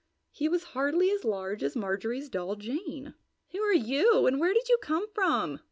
He was hardly as large as Marjorie's doll, Jane. "Who are you, and where did you come from?"